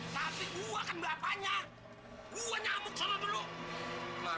dia akan berhenti mencintai saya